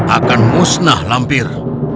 akan musnah lampir